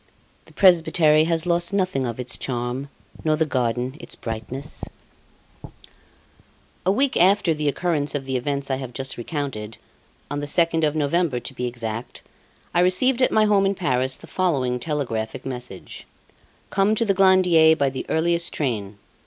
"The Presbytery Has Lost Nothing of Its Charm, Nor the Garden Its Brightness" A week after the occurrence of the events I have just recounted on the 2nd of November, to be exact I received at my home in Paris the following telegraphic message: "Come to the Glandier by the earliest train.